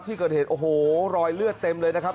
ที่เกิดเหตุโอ้โหรอยเลือดเต็มเลยนะครับ